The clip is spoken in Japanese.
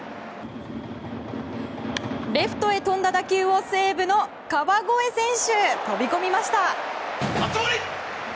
レフトへ飛んだ打球を西武の川越選手飛び込みました。